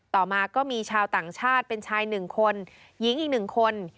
ต่อมาก็มีชาวต่างชาติเป็นชายหนึ่งคนหญิงอีกหนึ่งคน